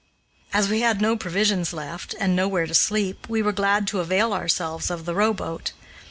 As we had no provisions left and nowhere to sleep, we were glad to avail ourselves of the rowboat.